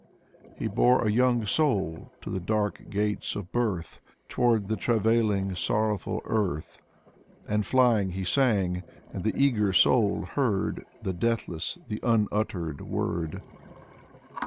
He bore a young soul to the dark gates of birth, Toward the travailing, sorrowful earth. And flying, he sang, and the eager soul heard The deathless, the unuttered Word.